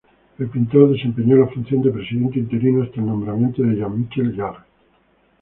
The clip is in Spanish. El pintor desempeñó la función de Presidente interino hasta el nombramiento de Jean-Michel Jarre.